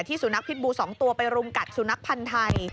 ที่สุนัขพิษบูร์สองตัวไปรุมกัดสุนัขพันธุ์ไทย